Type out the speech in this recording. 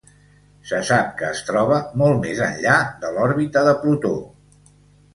Se sap que es troba molt més enllà de l'òrbita de Plutó.